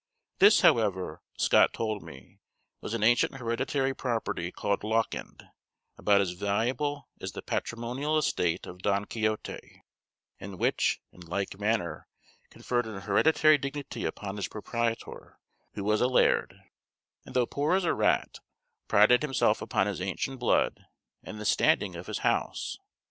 This, however, Scott told me, was an ancient hereditary property called Lauckend, about as valuable as the patrimonial estate of Don Quixote, and which, in like manner, conferred an hereditary dignity upon its proprietor, who was a laird, and, though poor as a rat, prided himself upon his ancient blood, and the standing of his house.